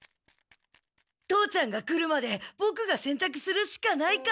父ちゃんが来るまでボクが洗濯するしかないか。